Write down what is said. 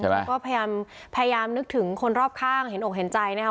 เราก็พยายามนึกถึงคนรอบข้างเห็นอกเห็นใจนะครับ